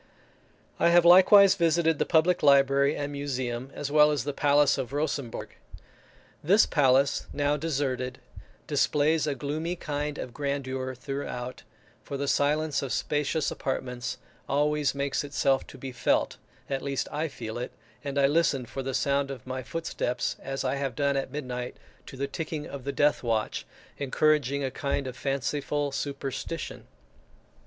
I have likewise visited the public library and museum, as well as the palace of Rosembourg. This palace, now deserted, displays a gloomy kind of grandeur throughout, for the silence of spacious apartments always makes itself to be felt; I at least feel it, and I listen for the sound of my footsteps as I have done at midnight to the ticking of the death watch, encouraging a kind of fanciful superstition.